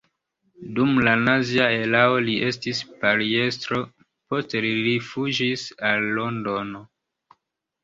Dum la nazia erao li estis partiestro, poste li rifuĝis al Londono.